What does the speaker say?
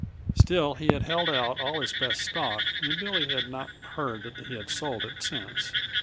Still, he had held out all his best stock, and Billy had not heard that he had sold it since.